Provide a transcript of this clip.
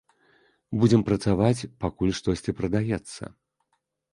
Будзем працаваць, пакуль штосьці прадаецца.